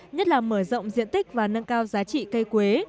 nhất là mở rộng diện tích và nâng cao giá trị cây quế